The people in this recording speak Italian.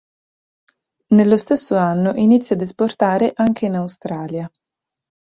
Nello stesso anno inizia ad esportare anche in Australia.